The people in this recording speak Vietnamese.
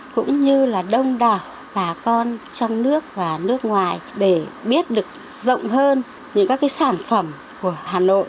cũng như là đông đảo bà con trong nước và nước ngoài để biết được rộng hơn những các cái sản phẩm của hà nội